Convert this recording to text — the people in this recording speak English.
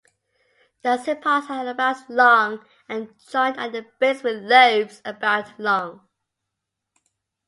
The sepals are about long and joined at the base with lobes about long.